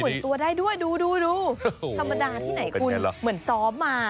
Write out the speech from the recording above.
ตัวได้ด้วยดูดูธรรมดาที่ไหนคุณเหมือนซ้อมมา